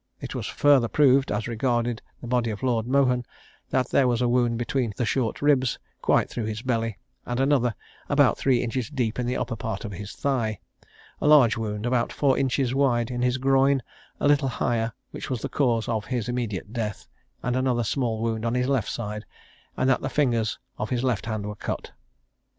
It was further proved, as regarded the body of Lord Mohun, that there was a wound between the short ribs, quite through his belly, and another about three inches deep in the upper part of his thigh; a large wound, about four inches wide, in his groin, a little higher, which was the cause of his immediate death; and another small wound on his left side; and that the fingers of his left hand were cut.